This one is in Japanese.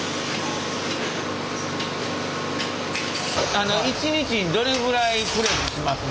あの一日にどれくらいプレスしますの？